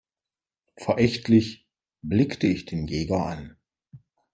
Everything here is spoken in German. Verächtlich blickte ich den Jäger an.